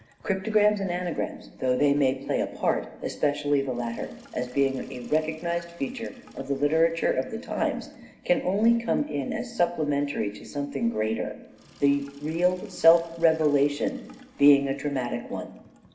Cryptograms and anagrams, though they may play a part, especially the latter, as being a recognized feature of the literature of the times, can only come in as supplementary to some thing greater : the real self revelation being a dramatic one.